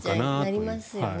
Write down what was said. そうなりますよね。